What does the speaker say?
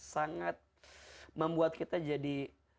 sangat membuat kita jadi